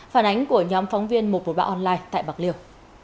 phản ánh của nhóm phóng viên một bộ bảo online tại bạc liêu